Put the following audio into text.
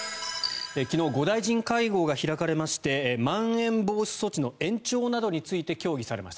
昨日、５大臣会合が開かれましてまん延防止措置の延長などについて協議されました。